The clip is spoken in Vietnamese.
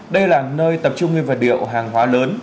đây là nơi tập trung nguyên vật liệu hàng hóa lớn